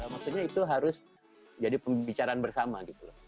maksudnya itu harus jadi pembicaraan bersama gitu loh